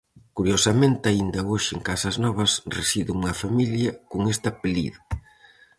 Curiosamente aínda hoxe en Casas Novas reside unha familia con este apelido.